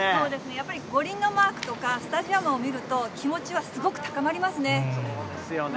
やっぱり五輪のマークとか、スタジアムを見ると、気持ちはすごく高まりますね。